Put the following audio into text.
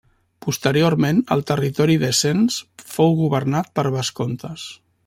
Posteriorment el territori de Sens fou governat per vescomtes.